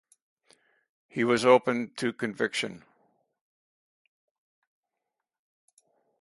He was open to conviction.